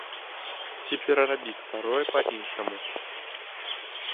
Ці перарабіць старое па-іншаму.